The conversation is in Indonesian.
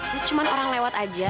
ya cuma orang lewat aja